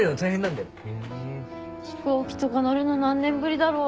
飛行機とか乗るの何年ぶりだろう。